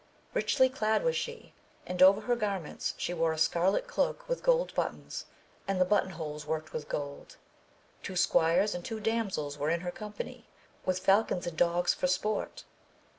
Richly clad was she, and over her garments she wore a scarlet cloak with gold buttons, and the button holes worked with gold. Two squires and two damsels were in her company with falcons and dogs for sport.